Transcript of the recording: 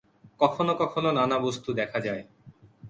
কখনও কখনও নানা বস্তু দেখা যায়।